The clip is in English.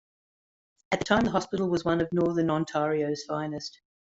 At the time the hospital was one of northern Ontario's finest.